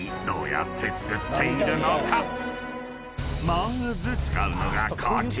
［まず使うのがこちら！］